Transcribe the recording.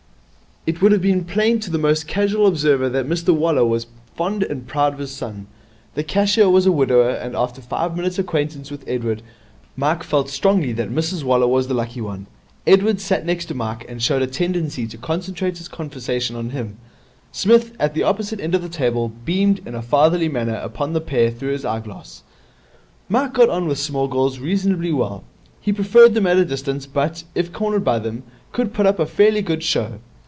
It would have been plain to the most casual observer that Mr Waller was fond and proud of his son. The cashier was a widower, and after five minutes' acquaintance with Edward, Mike felt strongly that Mrs Waller was the lucky one. Edward sat next to Mike, and showed a tendency to concentrate his conversation on him. Psmith, at the opposite end of the table, beamed in a fatherly manner upon the pair through his eyeglass. Mike got on with small girls reasonably well. He preferred them at a distance, but, if cornered by them, could put up a fairly good show.